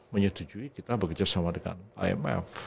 menyetujui kita bekerjasama dengan amr